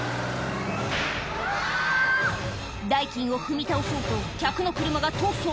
代金を踏み倒そうと客の車が逃走